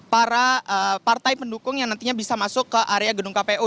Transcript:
para partai pendukung yang nantinya bisa masuk ke area gedung kpu